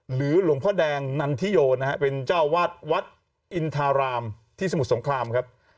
หลวงพ่อแดงนันทิโยนะฮะเป็นเจ้าวาดวัดอินทารามที่สมุทรสงครามครับ